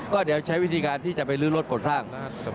ก็เดี๋ยวใช้วิธีการที่จะไปรื้อรถถั่ง